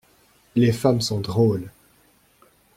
Les femmes sont drôles !